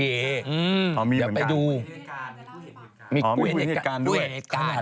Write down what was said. อ๋อมีเหมือนกันมีคุยเหตุการณ์มีคุยเหตุการณ์ด้วยดี